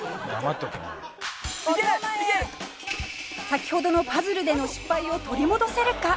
先ほどのパズルでの失敗を取り戻せるか？